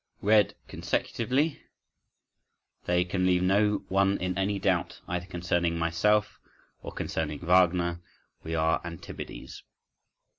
Read consecutively, they can leave no one in any doubt, either concerning myself, or concerning Wagner: we are antipodes.